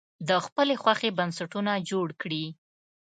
د خپلې خوښې بنسټونه جوړ کړي.